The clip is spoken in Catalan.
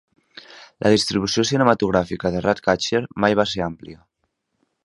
La distribució cinematogràfica de "Ratcatcher" mai va ser àmplia.